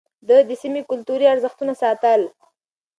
ده د سيمې کلتوري ارزښتونه ساتل.